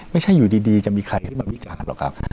ไม่ใช่อยู่ดีจะมีใครมาวิจารณ์หรอกครับ